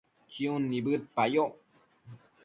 chiun nibëdpayoc